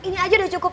ini aja udah cukup